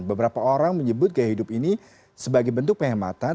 beberapa orang menyebut gaya hidup ini sebagai bentuk penghematan